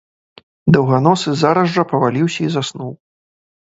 Даўганосы зараз жа паваліўся і заснуў.